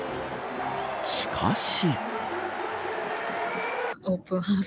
しかし。